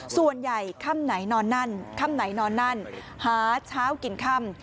ส่วนใหญ่ค่ำไหนนอนนั่นค่ำไหนนอนนั่นหาเช้ากินค่ำ